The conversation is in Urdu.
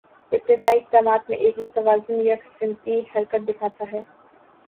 ابتدائی اقدامات میں ایک متوازن یکسمتی حرکت دکھاتا ہے